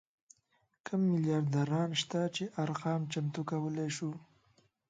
کم میلیاردران شته چې ارقام چمتو کولی شو.